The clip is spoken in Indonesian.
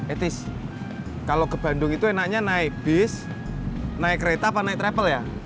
ethies kalau ke bandung itu enaknya naik bis naik kereta apa naik travel ya